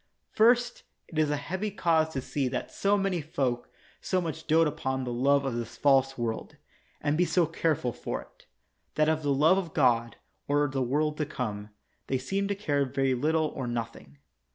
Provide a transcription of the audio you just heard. First, it is a heavy cause to see that so many folk so much dote upon the love of this false world, and be so careful for it, that of the love of God, or the world to come, they seem to care very little or nothing.